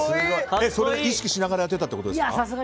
それ意識しながらやってたってことですか？